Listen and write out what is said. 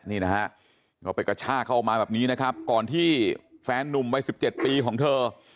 นี่นะฮะก็ไปกระชากเข้ามาแบบนี้นะครับก่อนที่แฟนนุ่มวัย๑๗ปีของเธอ